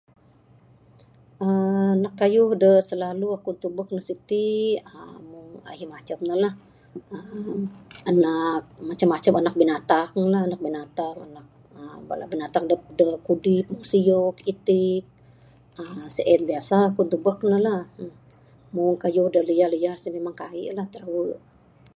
uhh Anak kayuh da silalu aku tubek ne siti uhh ahi macam ne la uhh anak macam-macam anak binatang la anak binatang anak uhh bala binatang adep da kudip, siok, itik, uhh sien biasa ku tubek ne la... Mbuh kayuh da lias-lias en memang kaii la... Tirawe.